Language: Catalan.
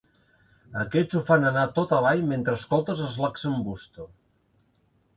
Aquests ho fan anar tot avall mentre escoltes els Lax'n'Busto.